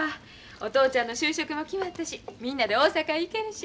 お父ちゃんの就職も決まったしみんなで大阪へ行けるし。